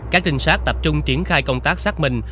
các trinh sát tập trung triển khai công tác xác minh